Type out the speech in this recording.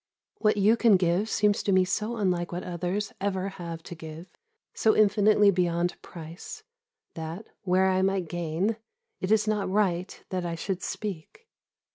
What you can give seems to me so unlike what others ever have to give, so infinitely beyond price, that, where I might gain, it is not right that I should speak.